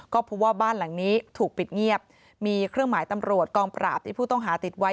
ก็พบว่าบ้านหลังนี้ถูกปิดเงียบมีเครื่องหมายตำรวจกองปราบที่ผู้ต้องหาติดไว้